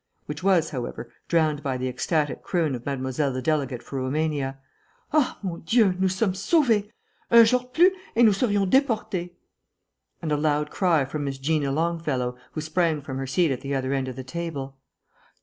which was, however, drowned by the ecstatic croon of Mademoiselle the delegate for Roumania, "Ah! mon Dieu! Nous sommes sauvés! Un jour de plus, et nous serions deportées," and a loud cry from Miss Gina Longfellow, who sprang from her seat at the other end of the table.